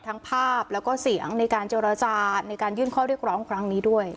ทั้งภาพแล้วก็เสียงในการเจรจาในการยื่นข้อเรียกร้องครั้งนี้ด้วย